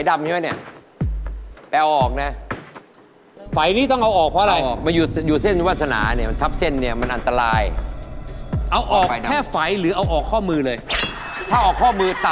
สมมติพูดถึงใครก็จะหันมา